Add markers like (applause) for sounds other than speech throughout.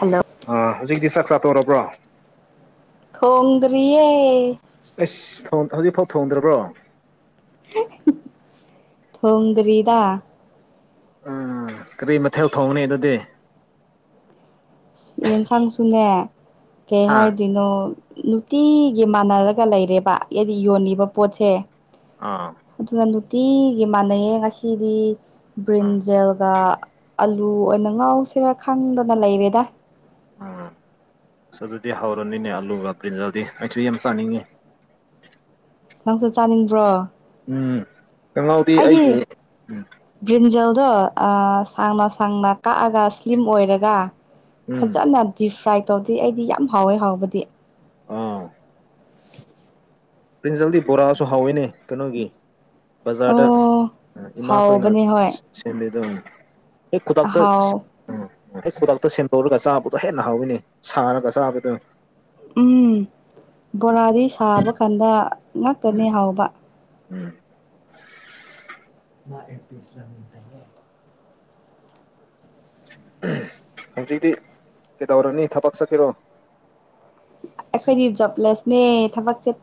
hello ꯥ ꯍꯧꯖꯤꯛꯇꯤ ꯆꯥꯛ ꯆꯥꯠꯇꯣꯔꯔꯕ꯭ꯔꯣ ꯇꯣꯡꯗꯔꯤꯌꯦ ꯑꯁ ꯍꯧꯖꯤꯛꯐꯥꯎ ꯊꯣꯡꯗ꯭ꯔꯕ꯭ꯔꯣ ꯊꯣꯡꯗꯔꯤꯗ ꯎꯝ ꯀꯔꯤ ꯃꯊꯦꯜ ꯊꯣꯡꯅꯤ ꯑꯗꯨꯗꯤ ꯌꯦꯟꯁꯥꯡꯁꯨꯅꯦ ꯀꯩ ꯍꯥ ꯍꯥꯏꯗꯣꯏꯅꯣ ꯅꯨꯡꯇꯤꯒꯤ ꯃꯥꯟꯅꯔꯒ ꯂꯩꯔꯦꯕ ꯑꯩꯗꯤ ꯌꯣꯜꯂꯤꯕ ꯄꯣꯠꯁꯦ ꯑꯥ ꯇꯤꯒꯤ ꯃꯥꯟꯅꯩꯌꯦ ꯉꯁꯤꯗꯤ ꯑꯥ ꯕ꯭ꯔꯤꯟꯖꯦꯜꯒ ꯑꯂꯨ ꯑꯣꯏꯅ ꯉꯥꯎꯁꯤ ꯁꯤꯔ ꯈꯪꯗꯅ ꯂꯩꯔꯦꯗ ꯑ ꯑꯁ ꯑꯗꯨꯗꯤ ꯍꯧꯥꯎꯔꯅꯤꯅꯦ ꯑꯂꯨ ꯄ꯭ꯔꯤꯟꯖꯗꯤ ꯑꯩꯁꯨ ꯌꯥꯝ ꯆꯥꯅꯤꯡꯉꯤ ꯅꯪꯁꯨ ꯆꯥꯅꯤꯡꯕ꯭ꯔꯣ ꯎꯝ ꯀꯪꯂꯥꯎꯗꯤ ꯑꯩꯗꯤ ꯎꯝ ꯑꯗꯣ ꯁꯥꯡꯅ ꯁꯥꯡꯅ ꯀꯛꯑꯒ ꯁ꯭ꯂꯤꯝ ꯑꯣꯏꯔꯒ ꯎꯝ ꯐꯖꯅ ꯗꯤꯞ ꯐ꯭ꯔꯥꯏ ꯇꯧꯗꯦ ꯑꯩꯗꯤ ꯌꯥꯝ ꯍꯥꯎꯋꯦ ꯍꯥꯎꯕꯗꯤ ꯑꯥ (unintelligible) ꯄ꯭ꯔꯤꯟꯖꯜꯗꯤ ꯕꯣꯔꯥꯁꯨ ꯍꯥꯎꯋꯦꯅꯦ ꯀꯩꯅꯣꯒꯤ ꯕꯖꯥꯔꯗ ꯑꯣ ꯏꯃꯥꯈꯣꯏꯅ ꯍꯥꯎꯕꯅꯦ ꯍꯣꯏ ꯁꯦꯝꯕꯤꯗꯕꯅꯤ ꯑꯩ ꯈꯨꯗꯛꯇ ꯍꯥꯎ ꯎꯝ ꯑꯩ ꯈꯨꯗꯇ ꯁꯦꯟꯗꯣꯛꯔꯒ ꯆꯥꯕ ꯑꯗꯨꯣ ꯍꯦꯟꯅ ꯍꯥꯎꯋꯤꯅꯦ ꯁꯥꯔꯒ ꯆꯥꯕꯗꯨꯅ ꯎꯝ ꯕꯣꯔꯥꯗꯤ ꯁꯥꯕ ꯀꯥꯟꯗ ꯉꯇꯅꯤ ꯍꯥꯎꯕ ꯎꯝ ꯃꯥ ꯑꯦꯠ ꯄꯁ ꯂꯃꯤ ꯇꯌꯦ ꯍꯧꯖꯤꯛꯇꯤ ꯀꯩꯗꯧꯔꯅꯤ ꯊꯕꯛ ꯆꯠꯈꯤꯔꯣ ꯑꯩꯈꯣꯏꯗꯤ ꯖꯕꯂꯦꯁꯅꯦ ꯊꯕꯛ ꯆꯦꯠ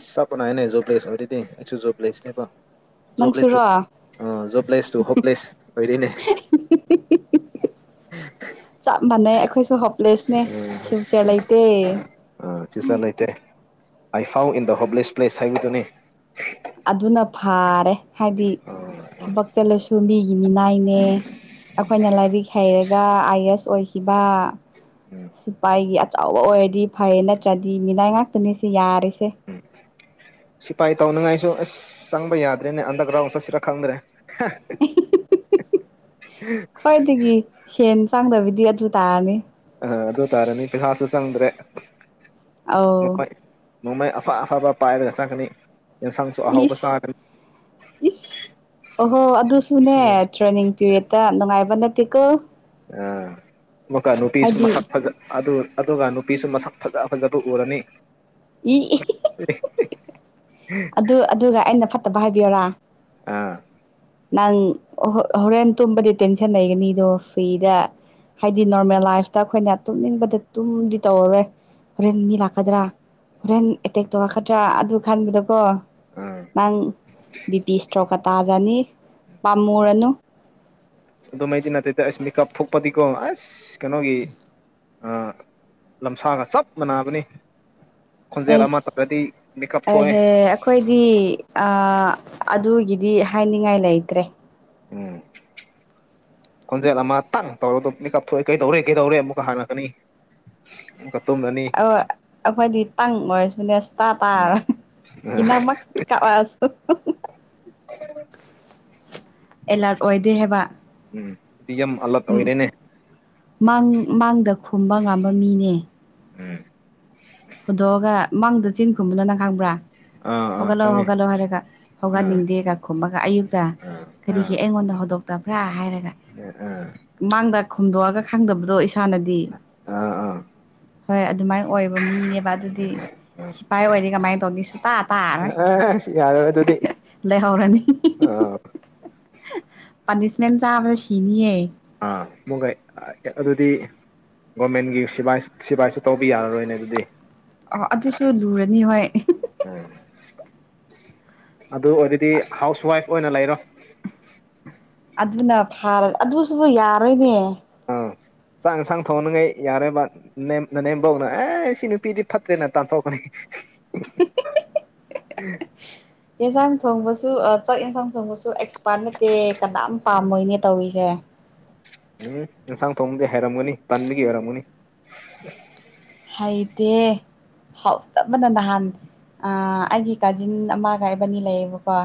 ꯎ ꯆꯄꯅꯅꯦ ꯖꯨꯕ꯭ꯂꯁ ꯋꯥꯔꯤꯗꯤ ꯑꯩꯁꯨ ꯖꯕ꯭ꯂꯁꯅꯦꯕ ꯖꯣꯕꯂꯦ ꯇ ꯅꯪꯁꯨꯔꯣ ꯖꯣꯕꯂꯦꯁ ꯇ ꯍꯣꯞꯂꯦꯁ ꯑꯣꯏꯔꯤꯅꯦ (inaudible) ꯆ ꯃ ꯍꯣ ꯄ꯭ꯂꯦꯁꯅꯦ ꯁꯤꯕ ꯆꯂꯥꯏꯇ ꯑ ꯐ꯭ꯌꯨꯆꯔ ꯂꯩꯇꯦ ꯑꯥꯏ ꯐꯥꯎ ꯏꯟ ꯗ ꯍꯣꯞꯂꯦꯁ ꯄ꯭ꯂꯦꯁ ꯍꯥꯏꯕꯗꯨꯅꯤ ꯑꯗꯨꯅ ꯐꯥꯔꯦ ꯍꯥꯏꯗꯤ ꯑ ꯎꯝ ꯊꯕꯛ ꯆꯠꯂꯁꯨ ꯃꯤꯒꯤ ꯃꯤꯅꯥꯏꯅꯦ ꯑꯩꯈꯣꯏꯅ ꯂꯥꯏꯔꯤꯛ ꯍꯩꯔꯒ ꯑꯥꯏ ꯑꯦꯁ ꯑꯣꯏꯈꯤ ꯁꯤꯄꯥꯏꯒꯤ ꯑꯆꯧꯕ ꯑꯣꯏꯔꯗꯤ ꯐꯩ ꯅꯠꯇ꯭ꯔꯗꯤ ꯃꯤꯅꯥꯏ ꯉꯥꯛꯇꯅꯤ ꯁꯤ ꯌꯥꯔꯤꯁꯦ ꯎꯝ ꯁꯤꯄꯥꯏ ꯇꯧꯅꯉꯥꯏꯁꯨ ꯑꯁ ꯆꯪꯕ ꯌꯥꯗ꯭ꯔꯦꯅꯦ ꯍꯟꯗꯛ ꯔꯥꯎꯟ ꯆꯠꯁꯤꯔ ꯈꯪꯗ꯭ꯔꯦ ꯈ꯭ꯋꯥꯏꯗꯒꯤ ꯁꯦꯟ ꯆꯥꯡꯗꯕꯤꯗ ꯑꯗꯨ ꯨ ꯇꯥꯔꯅꯤ ꯑꯗꯨ ꯇꯥꯔꯅꯤ ꯄꯩꯁꯥꯁꯨ ꯆꯪꯗ꯭ꯔꯦ ꯑꯧ ꯅꯣꯡꯃꯩ ꯅꯣꯡꯃꯩ ꯑꯐ ꯑꯐꯕ ꯄꯥꯏꯔꯒ ꯆꯪꯒꯅꯤ ꯁꯪꯁꯨ ꯑꯍꯥꯎꯕ ꯏꯁ ꯆꯥꯔꯅꯤ ꯏꯁ ꯑꯣꯍꯣ ꯑꯗꯨꯁꯨꯅꯦ ꯇ꯭ꯔꯦꯅꯤꯡ ꯄꯤꯔꯗꯠꯇ ꯅꯨꯡꯉꯥꯏꯕ ꯅꯠꯇꯦꯀꯣ ꯑꯃꯨꯛꯀ ꯅꯨꯄꯤꯁꯨ ꯍꯥꯏꯗꯤ ꯃꯁꯛ ꯐꯖ ꯑꯗꯨ ꯑꯗꯨꯒ ꯅꯨꯄꯤꯁꯨ ꯃꯁꯛ ꯐꯖ ꯐꯖꯕ ꯎꯔꯅꯤ ꯏ ꯑꯗꯨ ꯑꯗꯨꯒ ꯑꯩꯅ ꯐꯠꯇꯕ ꯍꯥꯏꯕꯤꯌꯔꯥ ꯑꯥ ꯅꯪ ꯍꯣꯔꯦꯟ ꯇꯨꯝꯕꯗꯤ ꯇꯦꯟꯁꯟ ꯂꯩꯒꯅꯤꯗꯣ ꯐ꯭ꯔꯤꯗ ꯍꯥꯏꯗꯤ ꯅꯣꯔꯃꯦꯜ ꯂꯥꯏꯐꯇ ꯑꯩꯈꯣꯏꯅ ꯇꯨꯝꯅꯤꯡꯕꯗꯤ ꯇꯨꯝꯗꯤ ꯇꯧꯔꯔꯣꯏ ꯍꯣꯔꯦꯟ ꯃꯤ ꯂꯥꯛꯀꯗ꯭ꯔꯥ ꯍꯣꯔꯦꯟ ꯑꯦꯇꯦꯛ ꯇꯧꯔꯛꯀꯗ꯭ꯔꯥ ꯑꯗꯨ ꯈꯟꯕꯗꯀꯣ ꯑꯥ ꯅꯪ ꯕꯤ ꯄꯤ ꯏꯁꯇ꯭ꯔꯣꯛꯀ ꯇꯥꯖꯅꯤ ꯄꯥꯝꯃꯨꯔꯅꯨ ꯑꯗꯨꯃꯩꯗꯤ ꯅꯇꯩꯦꯇꯩ ꯑꯁ ꯃꯤꯀꯞ ꯊꯣꯛꯄꯗꯤꯀꯣ ꯑꯁ ꯀꯩꯅꯣꯒꯤ ꯂꯝꯁꯥꯒ ꯆꯞ ꯃꯥꯟꯅꯕꯅꯤ ꯈꯣꯟꯖꯦꯜ ꯑꯃ ꯇꯧꯔꯗꯤ ꯃꯤꯀꯞ ꯊꯣꯛꯑꯦ ꯑꯦꯁꯍꯦ ꯑꯩꯈꯣꯏꯗꯤ ꯑ ꯑꯗꯨꯒꯤꯗꯤ ꯍꯥꯏꯅꯤꯡꯉꯥꯏ ꯂꯩꯇ꯭ꯔꯦ ꯎꯝ ꯈꯣꯟꯖꯦꯜ ꯑꯃ ꯇꯪ ꯇꯧꯔꯗ ꯃꯤꯀ ꯀꯞꯊ ꯊꯣꯛꯑꯦ ꯀꯩꯗꯧꯔꯦ ꯀꯩꯗꯧꯔꯦ ꯑꯃꯨꯛꯀ ꯍꯥꯟꯅꯛꯀꯅꯤ ꯀ ꯑ ꯑꯩꯈꯣꯏꯗꯤ ꯇꯪꯉꯔꯁꯤꯕꯨꯅꯦ ꯁꯨꯇꯥ ꯎꯝ ꯇꯥꯔꯣꯏ ꯀꯅꯥ ꯑꯃ ꯀꯋꯥꯁꯨ (unintelligible) ꯑꯦꯂꯥꯔꯠ ꯑꯣꯏꯗꯦ ꯍꯥꯏꯕ ꯎꯝ ꯁꯤꯗꯤ ꯌꯥꯝ ꯑꯂꯔꯠ ꯎꯝ ꯑꯣꯏꯔꯦꯅꯦ ꯃꯥꯡ ꯃꯥꯡꯗ ꯈꯨꯝꯕ ꯉꯥꯝꯕ ꯃꯤꯅꯦ ꯎꯝ ꯍꯣꯏꯗꯣꯛꯑꯒ ꯃꯥꯡꯗ ꯆꯤꯟ ꯈꯨꯝꯕꯅ ꯅꯪ ꯈꯪꯕ꯭ꯔꯥ ꯑꯥ ꯑꯥ ꯍꯧꯒꯠꯂꯣꯑꯣ ꯈꯪꯉꯦ ꯍꯧꯒꯠꯂꯑꯣ ꯍꯥꯏꯔꯦꯒ ꯑꯥ ꯍꯧꯒꯠꯅꯤꯡꯗꯦꯒ ꯈꯨꯝꯃꯒ ꯑꯌꯨꯛꯇ ꯑꯥ ꯀꯔꯤꯒꯤ ꯑꯩꯉꯣꯟꯗ ꯍꯧꯗꯣꯛꯇꯕ꯭ꯔꯥ ꯍꯥꯏꯔꯒ ꯑꯥ ꯃꯥꯡꯗ ꯈꯣꯝꯗꯣꯛꯑꯒ ꯈꯪꯗꯕꯗꯣ ꯏꯁꯥ ꯍꯥꯟꯅꯗꯤ ꯑꯥ ꯍꯣꯏ ꯑꯗꯨꯃꯥꯏꯅ ꯑꯣꯏꯕ ꯃꯤꯅꯦꯕ ꯑꯗꯨꯗꯤ ꯁꯤꯐꯥꯏ ꯑꯣꯏꯔ ꯀꯃꯥꯏꯅ ꯇꯧꯅꯤ ꯁꯨꯇꯥ ꯇꯥꯔꯦ ꯑꯥ ꯑꯁ ꯌꯥꯔꯔꯣꯏ ꯑꯗꯨꯗꯤ ꯂꯩꯍꯥꯎꯔꯅꯤ ꯑꯥ ꯄꯥꯅꯤꯁꯃꯦꯟ ꯆꯥꯕꯗ ꯁꯤꯅꯤꯌꯦ ꯑꯥ ꯃꯨꯡꯒꯥꯏ ꯑꯗꯨꯗꯤ ꯒꯣꯔꯃꯦꯟꯒꯤ ꯁꯤ ꯁꯤꯐꯥꯏꯁꯤ ꯇꯧꯕ ꯌꯥꯔꯔꯣꯏꯅꯦ ꯑꯗꯨꯗꯤ ꯑ ꯑꯗꯨꯁꯨ ꯂꯨꯔꯅꯤ ꯍꯣꯏ ꯑꯗꯨ ꯑꯣꯏꯔꯗꯤ ꯍꯥꯎꯁ ꯋꯥꯏꯐ ꯑꯣꯏꯅ ꯂꯩꯔꯣ ꯑꯗꯨꯅ ꯐꯥꯔ ꯑꯗꯨꯁꯨꯕꯨ ꯌꯥꯔꯣꯏꯅꯦ ꯆꯥꯡ ꯏꯟꯁꯥꯡ ꯊꯣꯡꯅꯉꯩ ꯌꯥꯔꯕ ꯅꯦꯝꯕꯧꯅ ꯑꯦ ꯁꯤ ꯅꯨꯄꯤꯗꯤ ꯐꯠꯇ꯭ꯔꯦꯅ ꯇꯥꯟꯊꯣꯛ (unintelligible) ꯌꯦꯟꯁꯥꯡ ꯊꯣꯡꯕꯁꯨ ꯆꯥꯛ ꯌꯦꯟꯁꯥꯡ ꯊꯣꯡꯕꯁꯨ ꯑꯦꯛꯁꯄꯥꯔꯠ ꯅꯠꯇꯦ ꯀꯅꯥꯝ ꯄꯥꯝꯃꯣꯏꯅꯦ ꯇꯧꯔꯤꯁꯦ ꯎꯝ ꯑꯦꯟꯁꯥꯡ ꯊꯣꯡꯕꯗꯤ ꯍꯥꯏꯔꯝꯒꯅꯤ ꯇꯟꯕꯒꯤ ꯑꯣꯏꯔꯝꯒꯅꯤ ꯍꯥꯏꯩꯗꯦ ꯍꯥꯎ ꯇꯞ ꯑꯃꯅ ꯅꯍꯥꯟ ꯑꯩꯒꯤ ꯀꯥꯖꯤꯟ ꯑꯃꯒꯥꯏꯕꯅꯤ ꯂꯩꯌꯦꯕꯀꯣ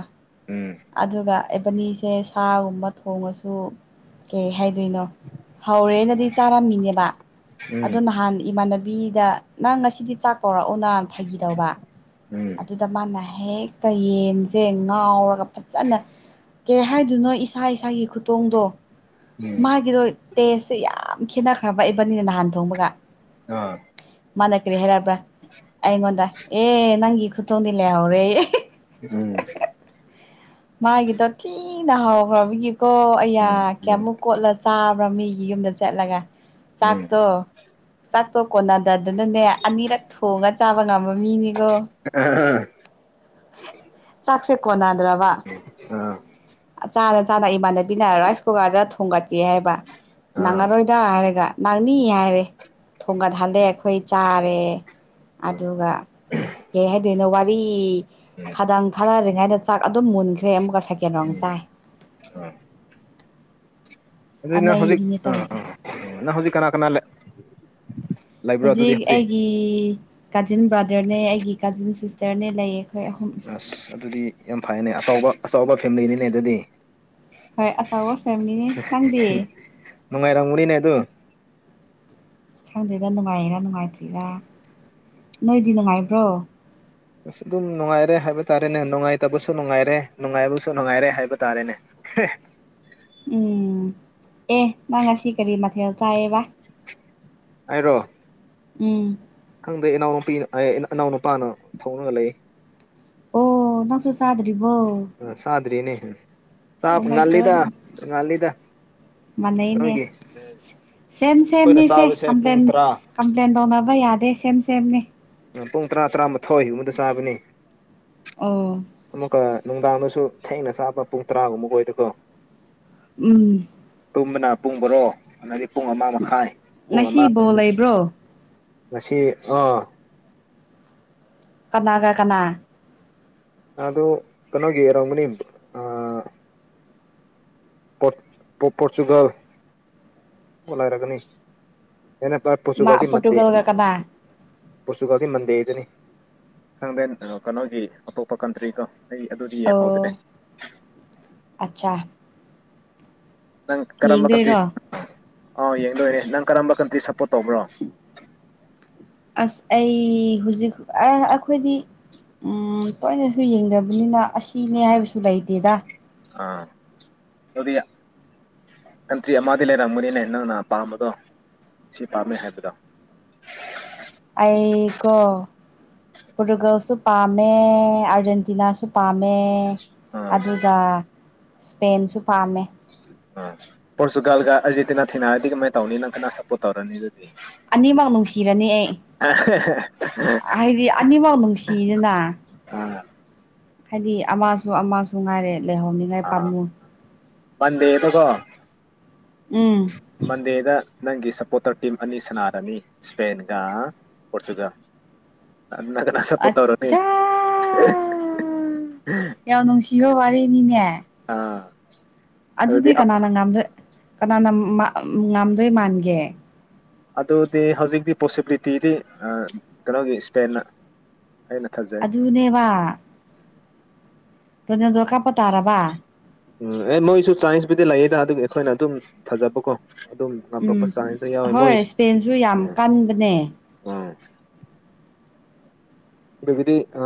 ꯎꯝ ꯑꯗꯨꯒ ꯑꯦꯕꯅꯤꯁꯦ ꯁꯥꯒꯨꯝꯕ ꯊꯣꯡꯉꯁꯨ ꯀꯩ ꯍꯥꯏꯗꯣꯏꯅꯣ ꯍꯧꯔꯦꯅꯗꯤ ꯆꯥꯔꯝꯃꯤꯅꯦꯕ ꯑ ꯎꯝ ꯅꯍꯥꯟ ꯏꯃꯥꯟꯅ ꯕꯤꯗ ꯅꯪ ꯉꯁꯤꯗꯤ ꯆꯥꯛ ꯀꯧꯔꯛꯑꯣ ꯅꯅ ꯐꯈꯤꯗꯧꯕ ꯎꯝ ꯑꯗꯨꯗ ꯃꯥꯟꯅꯩ ꯍꯥꯏ ꯍꯦꯛꯇ ꯌꯦꯟꯁꯦ ꯉꯥꯎꯔꯒ ꯐꯖꯅ ꯀꯩ ꯍꯥꯏꯗꯨꯣꯏꯅꯣ ꯏꯁꯥ ꯏꯁꯥꯒꯤ ꯈꯨꯇꯣꯡꯗꯣ ꯎꯝ ꯃꯥꯒꯤꯗꯣ ꯇꯦꯁꯁꯦ ꯌꯥꯝ ꯈꯦꯠꯅꯈ꯭ꯔꯕ ꯏꯕꯅꯤꯅ ꯅꯍꯥꯟ ꯊꯣꯡꯕꯒ ꯑꯥ ꯃꯗ ꯀꯔꯤꯦ ꯍꯥꯏꯔꯔꯕ꯭ꯔꯥ ꯑꯩꯉꯣꯟꯗ ꯑꯦ ꯅꯪꯒꯤꯤ ꯈꯨꯇꯣꯡꯅꯤ ꯂꯩꯦ ꯍꯥꯎꯔꯦ ꯎꯝ ꯃꯥꯒꯤꯗꯣ ꯊꯤꯅ ꯍꯥꯎꯈ꯭ꯔꯕꯒꯤꯀꯣ ꯑꯌꯥ ꯎꯝ ꯎꯝ ꯀꯌꯥꯃꯨꯛ ꯀꯣꯠꯂ ꯆꯥꯕ꯭ꯔꯥ ꯃꯤꯒꯤ ꯗ ꯆꯠꯂ ꯆꯥꯥꯛ ꯎꯝ ꯇꯣ ꯆꯥꯛꯠꯇꯣ ꯀꯣꯟꯅꯗꯗꯅꯅꯦ ꯑꯅꯤꯔꯛ ꯊꯣꯡꯉ ꯆꯥꯕ ꯉꯝꯕ ꯃꯤꯅꯤꯀꯣ ꯑꯥ ꯆꯥꯛꯁꯦ ꯀꯣꯟꯅꯗ꯭ꯔꯕ ꯑ ꯆꯥꯅ ꯆꯥꯅ ꯏꯃꯥꯟꯅꯕꯤꯅ ꯔꯥꯏꯁ ꯀꯨꯀꯔꯗ ꯊꯣꯡꯒꯠꯀꯦ ꯍꯥꯏꯕ ꯅꯪ ꯑꯥ ꯑꯔꯣꯏꯗ ꯍꯥꯏꯔꯒ ꯅꯪꯅꯤ ꯍꯥꯏꯔꯦ ꯊꯣꯡꯒ ꯍꯟꯗꯩ ꯑꯩꯈꯣꯏ ꯆꯥꯔꯦ ꯑꯗꯨꯒ ꯀꯩ ꯍꯥꯏꯗꯣꯏꯅꯣ ꯋꯥꯔꯤ ꯎꯝ ꯈꯗꯪ ꯊꯥꯅꯔꯤꯉꯥꯏꯗ ꯆꯥꯛ ꯑꯗꯨꯝ ꯃꯨꯟꯒ ꯑꯩꯣꯏ ꯑꯃꯨꯛꯀ ꯁꯦꯀꯦꯟ ꯔꯥꯎ ꯎꯝ ꯆꯥꯏ ꯎꯝ ꯑꯗꯨ ꯅꯪ ꯍꯧꯖꯤꯛ ꯑꯅꯩꯕꯤꯅꯦ ꯑꯥ ꯇꯧꯔꯤꯁꯦ ꯑꯥ ꯅꯪ ꯍꯧꯖꯤꯛ ꯀꯅꯥ ꯀꯅꯥꯂꯦ ꯍꯧꯖꯤꯛ ꯑꯩꯒꯤ ꯀꯥꯖꯤꯟ ꯕ꯭ꯔꯥꯗꯔꯅꯦ ꯑꯩꯒꯤ ꯀꯥꯖꯤꯟ ꯁꯤꯁꯇꯔꯅꯦ ꯂꯩꯌꯦ ꯑꯩꯈꯣꯏ ꯑꯍꯨꯝ ꯑꯁ ꯑꯗꯨꯗꯤ ꯌꯥꯝ ꯐꯩꯅꯦ ꯑꯆꯧꯕ ꯑꯆꯕ ꯐꯦꯃꯤꯂꯤꯅꯤꯅꯦ ꯑꯗꯨꯗꯤ ꯍꯣꯏ ꯑꯆꯧꯕ ꯐꯦꯃꯤꯂꯤꯅꯦ ꯅꯪꯗꯤ ꯅꯨꯡꯉꯥꯏꯔꯔꯤꯅ ꯇꯣ ꯈꯪꯗꯦꯗ ꯅꯨꯡꯉꯥꯏꯔꯥ ꯅꯨꯡꯉꯥꯏꯇ꯭ꯔꯤꯔꯥ ꯅꯣꯏꯗꯤ ꯅꯨꯡꯉꯥꯏꯕ꯭ꯔꯣ ꯑꯁꯤ ꯑꯗꯨꯝ ꯅꯨꯡꯉꯥꯏꯔꯦ ꯍꯥꯏꯕ ꯇꯥꯔꯦꯅꯦ ꯅꯨꯡꯉꯥꯏꯇꯕꯁꯨ ꯅꯨꯡꯉꯥꯏꯔꯦ ꯅꯨꯡꯉꯥꯏꯕꯁꯨ ꯅꯨꯡꯉꯥꯏꯔꯦ ꯍꯥꯏꯕ ꯇꯥꯔꯦꯅꯦ ꯁ ꯎꯝ ꯑꯦ ꯅꯪꯁꯤ ꯀꯔꯤ ꯃꯊ ꯆꯌꯦꯕ ꯍꯥꯏꯔꯣ ꯎꯝ ꯈꯪꯗꯦ ꯏꯅꯥꯎꯅꯨꯄꯤꯅ ꯏꯅꯥꯎ ꯅꯨꯄꯥꯅ ꯊꯧꯔꯒ ꯂꯩ ꯑꯣ ꯅꯁꯨꯁꯗ ꯑ ꯁꯥꯗꯔꯤꯅꯦ ꯆ ꯑꯣ ꯉꯜꯂꯤꯗ ꯉꯜꯂꯤꯗ ꯃꯅꯩꯅꯦ ꯅꯣꯏꯒꯤ ꯁꯦꯝ ꯑꯩꯈꯣꯏꯅ ꯁꯦꯝꯅꯤꯁꯦ ꯆꯥꯕꯁꯦ ꯄꯨꯡ ꯀꯝꯄ꯭ꯂꯦꯟ ꯇꯔꯥ ꯀꯝꯄ꯭ꯂꯦꯟ ꯇꯧꯅꯕ ꯌꯥꯗꯦ ꯁꯦꯝ ꯁꯦꯝꯅꯤ ꯄꯨꯡ ꯇꯔꯥ ꯇꯔꯥꯃꯥꯊꯣꯏꯒꯨꯝꯕꯗ ꯆꯥꯕꯅꯦ ꯑꯣ ꯑꯃꯨꯛꯀ ꯅꯨꯡꯗꯥꯡꯗꯁꯨ ꯊꯦꯡꯅ ꯆꯥꯕ ꯄꯨꯡ ꯇꯔꯥꯒꯨꯝꯕ ꯑꯣꯏꯗꯀꯣ ꯎꯝ ꯇꯨꯝꯕꯅ ꯄꯨꯡ ꯕꯣꯔꯣ ꯑꯗꯒꯤ ꯄꯨꯡ ꯑꯃ ꯃꯈꯥꯏ ꯄꯨꯡ ꯑꯃ ꯉꯁꯤ ꯕꯣꯜ ꯂꯩꯕ꯭ꯔꯣ ꯃꯁꯤꯁꯤ ꯑꯥ ꯀꯅꯥꯒ ꯀꯅꯥ ꯑꯣ ꯀ ꯅꯒꯦ ꯔꯒꯅꯤ ꯑ ꯄꯣꯔꯆꯨꯒꯜꯣꯂꯥꯏꯔꯒꯅꯤ ꯅꯩꯅ ꯃꯥ ꯄꯣꯔꯆꯨꯒꯥꯜꯗꯤ ꯃꯟꯗꯦ ꯄꯣꯔꯇꯨꯒꯜꯒ ꯀꯅꯥ ꯄꯣꯔꯆꯨꯒꯥꯜꯗꯤ ꯃꯟꯗꯦꯗꯨꯅꯤ ꯈꯪꯗꯦꯟ ꯀꯩꯅꯣꯒꯤ ꯑꯇꯣꯞꯄ ꯀꯟꯇ꯭ꯔꯤ ꯀꯣ ꯑꯩ ꯑꯗꯨꯗꯤ ꯌꯦꯡꯍꯧꯗ꯭ꯔꯦ ꯑꯣ ꯑꯠꯆꯥ ꯅꯪ ꯀꯔꯝꯕ ꯀꯟꯇ꯭ꯔꯤ ꯌꯦꯡꯗꯣꯏꯔꯣ ꯑꯥꯎ ꯌꯦꯡꯗꯣꯏꯔꯦ ꯅꯪ ꯀꯔꯝꯕ ꯀꯟꯇ꯭ꯔꯤ ꯁꯞꯄꯣꯔꯠ ꯇꯧꯕ꯭ꯔꯣ (unintelligible) ꯑꯁ ꯑꯩ ꯍꯧꯖꯤꯛ ꯑꯩꯈꯣꯏꯗꯤ ꯎꯝ ꯇꯣꯏꯅꯁꯨ ꯌꯦꯡꯅꯕꯅꯤꯅ ꯑꯁꯤꯅꯦ ꯍꯥꯏꯕꯁꯨ ꯂꯩꯇꯦꯗ ꯑꯗꯨꯔꯤꯌꯥ ꯀꯟꯇ꯭ꯔꯤ ꯑꯃꯗꯤ ꯂꯩꯔꯝꯒꯅꯤꯅꯦ ꯅꯪꯅ ꯄꯥꯝꯕꯗꯣ ꯁꯤ ꯄꯥꯝꯃꯦ ꯍꯥꯏꯕꯗꯣ (unintelligible) ꯑꯩꯒꯣ ꯄꯣꯔꯇꯨꯒꯜꯁꯨ ꯄꯥꯝꯃꯦ ꯑꯥꯔꯖꯦꯟꯇꯤꯅꯥꯁꯨ ꯄꯥꯝꯃꯦ ꯑꯥ ꯑꯗꯨꯒ ꯏꯁꯄꯦꯟꯁꯨ ꯄꯥꯝꯃꯦ ꯑ ꯄꯣꯔꯆꯨꯒꯥꯜꯒ ꯑꯥꯔꯖꯦꯟꯇꯤꯅꯥ ꯊꯤꯅꯥꯔꯗꯤ ꯀꯃꯥꯏꯅ ꯇꯧꯅꯤ ꯅꯪ ꯀꯅ ꯁꯞꯄꯣꯔꯠ ꯇꯧꯔꯅꯤ ꯑꯗꯨꯗꯤ ꯑꯅꯤꯃꯛ ꯅꯨꯡꯁꯤꯔꯅꯤ ꯑꯦ ꯑꯥ ꯍꯥꯏꯗꯤ ꯑꯅꯤꯐꯧ ꯅꯨꯡꯁꯤꯅꯤꯅ ꯍꯥꯏꯗꯤ ꯑꯃꯁꯨ ꯑꯃꯁꯨ ꯉꯥꯏꯔꯦ ꯂꯩꯍꯧꯅꯤꯉꯥꯏ ꯑꯥ ꯄꯥꯝꯃꯨ ꯃꯟꯗꯦꯗꯀꯣ ꯎꯝ ꯃꯟꯗꯦꯗ ꯅꯪꯒꯤ ꯁꯄꯣꯔꯇꯔ ꯇꯤꯝ ꯑꯅꯤ ꯁꯥꯟꯅꯔꯝꯃꯤ ꯏꯁꯄꯦꯟꯒ ꯄꯣꯔꯇꯨꯒꯜ ꯑꯅꯥ ꯀꯅꯁ ꯄꯣꯠꯇ ꯑꯣꯏꯔꯣꯅꯤ ꯎ ꯏ ꯅꯨꯡꯁꯤꯕꯣ ꯋꯥꯔꯤꯔꯦꯅꯤꯅꯦ ꯑꯥ ꯑꯗꯨꯗꯤ ꯀꯅꯥꯅ ꯉꯝꯗꯣꯏ ꯀꯅꯥꯅ ꯉꯥꯝꯗꯣꯏ ꯃꯥꯟꯒꯦ ꯑꯗꯨꯗꯤ ꯍꯧꯖꯤꯛꯇꯤ ꯄꯣꯁꯤꯕꯤꯂꯤꯇꯤꯗꯤ ꯀꯩꯅꯣꯒꯤ ꯏꯁꯄꯦꯟꯅ ꯑꯩꯅ ꯊꯥꯖꯩ ꯑꯅꯦꯕ ꯇꯥꯔꯕ ꯎꯝ ꯑꯦ ꯃꯣꯏꯁꯨ ꯆꯥꯏꯟꯁꯕꯨꯨꯗꯤ ꯂꯩꯌꯦꯗ ꯑꯗꯨ ꯑꯩꯈꯣꯏꯅ ꯑꯗꯨꯝ ꯊꯥꯖꯕꯀꯣ ꯑꯗꯨꯝ ꯎꯝ ꯉꯝꯃꯛꯛꯄ ꯆꯥꯡꯁꯨ ꯌꯥꯎꯋꯦ ꯍꯣꯏ ꯃꯣꯏ ꯏꯁꯄꯦꯟꯁꯨ ꯌꯥꯝ ꯎꯝ ꯀꯟꯕꯅꯦ ꯎꯝ ꯑꯗꯨꯗꯤ ꯑ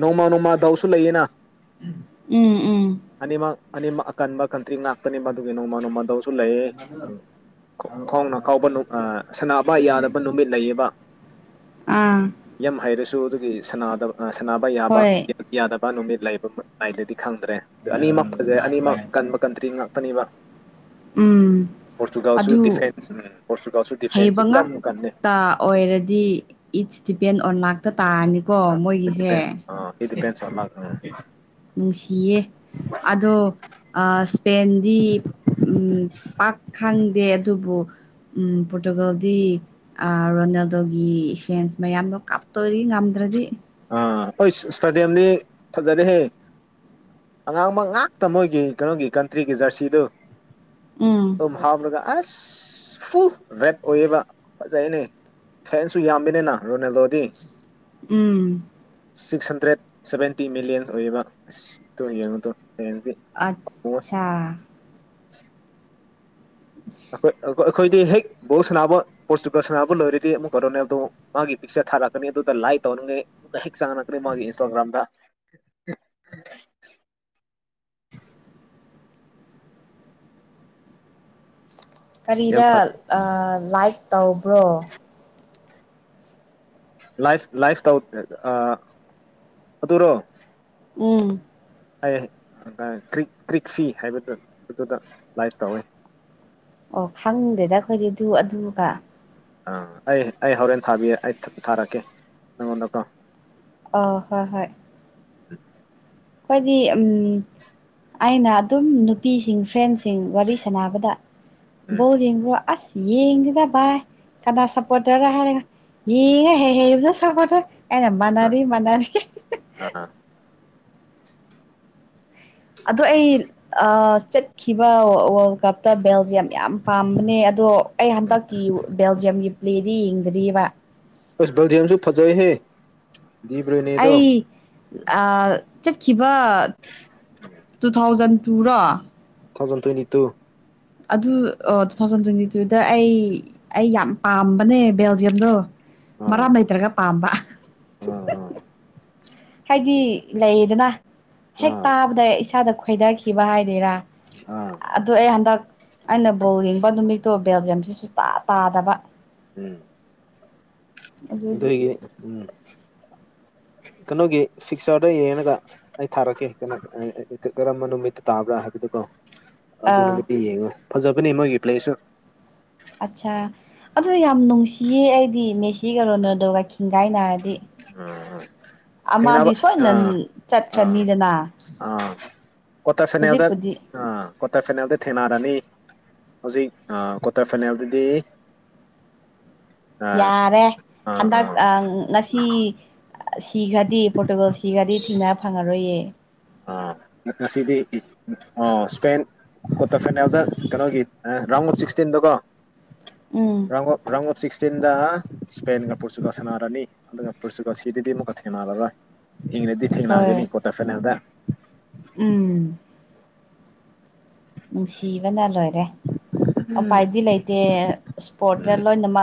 ꯅꯣꯡꯃ ꯅꯣꯡꯃ ꯗꯥꯎꯁꯨ ꯂꯩꯌꯦꯅ ꯎꯝ ꯎꯝ ꯑꯅꯤꯃꯛ ꯑꯅꯤꯃꯛ ꯑꯀꯟꯕ ꯀꯟꯇ꯭ꯔꯤ ꯉꯥꯛꯇꯅꯤ ꯃꯗꯨꯒꯤ ꯅꯣꯡꯃ ꯅꯣꯡꯃꯗꯧꯁꯨ ꯂꯩꯌꯦ ꯎ ꯈꯥꯎꯅ ꯀꯥꯎꯕ ꯁꯅꯕ ꯌꯥꯗꯕ ꯅꯨꯃꯤꯠ ꯂꯩꯌꯦꯕ ꯑꯥ ꯁꯨ ꯑꯗꯨꯒꯤ ꯁꯗꯕ ꯁꯥꯟꯅꯕ ꯌꯥꯕ ꯍꯣꯏ ꯌꯥꯗꯕ ꯅꯨꯃꯤꯠ ꯂꯩꯕꯏꯗꯒꯤ ꯈꯪꯗ꯭ꯔꯦ ꯑꯅꯤꯃꯛ ꯐꯖꯩ ꯑꯅꯤꯃꯛ ꯀꯟꯕ ꯀꯟꯇ꯭ꯔꯤ ꯉꯥꯛꯇꯅꯦꯕ ꯎꯝ ꯄꯣꯔꯇꯨꯒꯜꯁꯨ ꯑꯗꯨ ꯗꯤꯐꯦꯟꯁ ꯎꯝ ꯄꯣꯔꯇꯨꯒꯜꯁꯨ ꯍꯩꯕ ꯗꯤꯐꯦꯟꯁꯁꯤ ꯌꯥꯝ ꯀꯜꯂꯦ ꯉꯥꯛꯇ ꯑꯣꯏꯔꯗꯤ ꯗꯤꯄꯦꯟ ꯑꯣꯟ ꯉꯥꯛꯇ ꯇꯥꯔꯅꯤꯀꯣ ꯃꯣꯏꯒꯤꯁꯦ ꯗꯤꯄꯦꯟꯁ ꯑꯥ ꯏꯠ ꯗꯤꯄꯦꯟꯁ ꯑꯣꯟ ꯂꯛ ꯎꯝ ꯅꯨꯡꯁꯤꯌꯦ ꯑꯗꯣ ꯏꯁꯄꯦꯟꯗꯤ ꯎꯝ ꯄꯥꯛ ꯈꯪꯗꯦ ꯑꯗꯨꯕꯨ ꯎꯝ ꯄꯣꯔꯇꯨꯒꯜꯒꯤ ꯔꯣꯅꯥꯜꯗꯣꯒꯤ ꯐꯦꯟꯁ ꯃꯌꯥꯝꯅ ꯀꯥꯞꯇꯣꯏ ꯉꯝꯗ꯭ꯔꯗꯤ ꯑ ꯍꯣꯏ ꯏꯁꯇꯦꯗꯤꯌꯝꯗꯤ ꯐꯖꯔꯦꯍꯦ ꯑꯉꯥꯡꯃꯛ ꯉꯥꯛꯇ ꯃꯣꯏꯒꯤ ꯀꯩꯅꯣꯒꯤ ꯀꯟꯇ꯭ꯔꯤꯒꯤ ꯖꯔꯁꯤꯗꯨ ꯎꯝ ꯇꯚꯥꯞ ꯂꯒ ꯑꯦꯁ ꯐꯨꯜ ꯔꯦꯠ ꯑꯣꯏꯌꯦꯕ ꯐꯖꯩꯦꯅꯦ ꯐꯦꯟꯁꯨ ꯌꯥꯝꯕꯅꯤꯅ ꯔꯨꯅꯦ ꯂꯣꯗꯤ um six hundred seventy millions ꯑꯣꯏꯌꯦꯕ ꯑꯁꯇꯣ ꯌꯦꯡꯉꯣꯗꯣ ꯑꯠꯆꯥ (unintelligible) ꯑꯩꯈꯣꯏꯣꯏ ꯑꯩꯈꯣꯏꯗꯤ ꯍꯦꯛ ꯕꯣ ꯁꯥꯟꯅꯕ ꯄꯣꯔꯆꯨꯒꯜ ꯁꯥꯟꯅꯕ ꯂꯣꯏꯔꯗꯤ ꯑꯃꯨꯛ ꯀꯩꯅꯣꯅꯦ ꯑꯗꯣ ꯃꯥꯒꯤ ꯄꯤꯛꯆꯔ ꯊꯥꯔꯛꯀꯅꯤ ꯑꯗꯨꯗ ꯂꯥꯏ ꯀ ꯍ ꯆꯥꯡꯅꯈ꯭ꯔꯦ ꯃꯥꯒꯤ ꯏꯟꯁꯇꯥꯒ꯭ꯔꯥꯝꯗ ꯌꯥꯝ ꯀꯔꯤꯗ ꯐ ꯂꯥꯏꯛ ꯇꯧꯕ꯭ꯔꯣ ꯂꯥꯏꯐ ꯂꯥꯏꯐ ꯇꯧ ꯑꯗꯨꯔꯣ ꯎꯝ ꯑꯩ ꯀꯔꯤ ꯀ꯭ꯔꯤꯛ ꯐꯤ ꯍꯥꯏꯕꯗꯨ ꯑꯗꯨꯗ ꯂꯥꯏꯚ ꯇꯧꯋꯤ ꯑꯣ ꯈꯪꯗꯦꯗ ꯑꯩꯈꯣꯏꯗꯤ ꯑꯗꯨ ꯑꯗꯨꯒ ꯑꯥ ꯑꯩ ꯑꯩ ꯍꯣꯔꯦꯟ ꯊꯥꯕꯤ ꯑꯩ ꯊꯥꯔꯛꯀꯦ ꯅꯪꯉꯣꯟꯗꯀꯣ ꯑ ꯍꯣꯏ ꯍꯣꯏ ꯎ ꯑꯩꯈꯣꯏꯗꯤ ꯑꯩꯅ ꯑꯗꯨꯝ ꯅꯨꯄꯤꯁꯤꯡ ꯐ꯭ꯔꯦꯟꯁꯤꯡ ꯁꯤꯡ ꯋꯥꯔꯤ ꯁꯥꯟꯅꯕꯗ ꯎꯝ ꯕꯧ ꯌꯦꯡꯕ꯭ꯔꯣ ꯑꯁ ꯌꯦꯡꯁꯤꯗ ꯚꯥꯏ ꯀꯅꯥ ꯁꯞꯄꯣꯔ ꯇꯧꯔꯦ ꯍꯥꯏꯔꯒ ꯌꯦꯡꯉ ꯍ ꯍꯅ ꯁꯞꯄꯣꯔꯠꯇꯧꯔꯦ ꯑꯦꯅꯦ ꯑꯥ ꯃꯅꯔꯤ ꯃꯅꯥꯔꯤ ꯑꯥ ꯑꯗꯣ ꯑꯩ ꯆꯠꯈꯤꯕ ꯋꯥꯔꯜ ꯀꯞꯇ ꯕꯦꯜꯖꯤꯌꯝ ꯌꯥꯝ ꯄꯥꯝꯕꯅꯦ ꯑꯗꯣ ꯑꯩ ꯍꯟꯗꯛꯀꯤ ꯕꯦꯜꯖꯤꯌꯝꯒꯤ ꯄ꯭ꯂꯦꯗꯤ ꯌꯦꯡꯗꯔꯤꯑꯕ ꯑꯁ ꯜꯗꯤꯌꯥꯝꯁꯨ ꯐꯖꯑ ꯍꯦ ꯑꯩ ꯑ ꯆꯠꯈꯤꯕ ꯇꯨ ꯊꯥꯎꯖꯟ ꯇꯨꯔꯣ ꯇꯨ ꯊꯥꯎꯖꯟ ꯇ꯭ꯋꯦꯟꯇꯤ ꯇꯨ ꯑꯗꯨ ꯇꯨ ꯊꯥꯎꯖꯟ ꯇ꯭ꯋꯦꯟꯇꯤ ꯇꯨꯗ ꯑꯩ ꯑꯩ ꯌꯥꯝ ꯄꯥꯝꯕꯅꯦ ꯕꯦꯜꯖꯤꯌꯝꯗꯣ ꯃꯔꯥꯝ ꯂꯩꯇ꯭ꯔꯒ ꯄꯥꯝꯕ ꯑ ꯑ ꯍꯥꯏꯗꯤ ꯂꯩꯗꯅ ꯍꯦꯛ ꯑꯥ ꯇꯥꯕꯗ ꯏꯁꯥꯗ ꯈꯣꯏꯗꯈꯤꯕ ꯍꯥꯏꯗꯣꯏꯔꯥ ꯑꯥ ꯑꯗꯨ ꯑꯩ ꯍꯟꯗꯛ ꯑꯩꯅ ꯕꯣꯜ ꯌꯦꯡꯕ ꯅꯨꯃꯤꯠꯇꯣ ꯕꯦꯜꯖꯤꯌꯝꯁꯤꯁꯨꯨ ꯇꯥ ꯇꯥꯗꯕ ꯎꯝ ꯑꯗꯨꯒꯤ ꯎꯝ ꯀꯩꯅꯣꯒꯤ ꯐꯤꯛꯁꯔꯗ ꯌꯦꯡꯉꯒ ꯑꯩ ꯊꯥꯔꯛꯀꯦ ꯀꯩꯅ ꯀꯔꯝꯕ ꯅꯨꯃꯤꯠꯇ ꯇꯥꯕ꯭ꯔꯥ ꯍꯥꯏꯕꯗꯨꯀꯣ ꯑꯗꯨ ꯑꯥ ꯅꯨꯃꯤꯠꯇ ꯌꯦꯡꯉꯣ ꯐꯖꯕꯅꯦ ꯃꯣꯏꯒꯤꯔꯤ ꯄ꯭ꯂꯦꯁꯨ ꯑꯠꯆꯥ ꯑꯗꯨ ꯌꯥꯝ ꯅꯨꯡꯁꯤꯌꯦ ꯑꯩꯗꯤ ꯃꯦꯁꯤ ꯎꯝ ꯀꯩꯅꯣꯅꯗꯒꯒ ꯥꯏ ꯅꯥꯔꯗꯤ ꯑꯥ ꯊꯦꯡꯅꯕ ꯃꯥꯗꯤ ꯁꯣꯏꯅ ꯑꯥ ꯆꯠꯀ ꯑꯥ ꯈꯅꯤꯗꯅ ꯑꯥ ꯀ꯭ꯋꯥꯇꯔ ꯐꯥꯏꯅꯦꯜꯗ ꯑ ꯀ꯭ꯋꯥꯇꯔ ꯐꯥꯏꯅꯦꯜꯗ ꯊꯦꯡꯅꯔꯅꯤ ꯍꯧꯖꯤꯛ ꯀ꯭ꯋꯥꯇꯔ ꯐꯥꯏꯅꯦꯜꯗꯗꯤ ꯑꯥ ꯌꯥꯔꯦ ꯑꯥ ꯍꯟꯗꯛ ꯑꯥ ꯑ ꯉꯁꯤ ꯁꯤꯈ꯭ꯔꯗꯤ ꯄꯣꯔꯇꯨꯒꯜ ꯁꯤꯈ꯭ꯔꯗꯤ ꯊꯦꯡꯅꯕ ꯐꯪꯉꯔꯣꯏꯌꯦ ꯑ ꯉꯁꯤꯗꯤ ꯑ ꯁꯄꯦꯟ ꯀ꯭ꯋꯥꯇꯔ ꯐꯥꯏꯅꯦꯜꯗ ꯀꯩꯅꯣꯒꯤ ꯔꯥꯎꯟ ꯑꯣꯐ ꯁꯤꯛꯁꯇꯤꯟꯗꯣ ꯀꯣ ꯎꯝ ꯔꯥꯎꯟ ꯑꯣ ꯔꯥꯎꯟ ꯑꯣ ꯁꯤꯛꯁꯇꯤꯟꯗ ꯏꯁꯄꯦꯟꯒ ꯄꯣꯔꯆꯨꯒꯜ ꯁꯦꯅꯔꯅꯤ ꯑꯗꯨꯒ ꯄꯣꯔꯆꯨꯒꯜ ꯁꯤꯗꯗꯤ ꯑꯃꯨꯛꯀ ꯊꯦꯡꯅꯔꯔꯣꯏ ꯍꯤꯡꯅꯗꯤ ꯊꯦꯡꯅꯒꯅꯤ ꯍꯣꯏ ꯀ꯭ꯋꯥꯇꯔ ꯐꯥꯏꯅꯦꯜꯗ ꯎꯝ ꯅꯨꯡꯁꯤꯕꯅ ꯂꯣꯏꯔꯦ ꯎꯝ ꯎꯄꯥꯏꯗꯤ ꯂꯩꯇꯦ ꯏꯁꯄꯣꯔꯠꯇꯠꯇ ꯂꯣꯏꯅꯃꯛ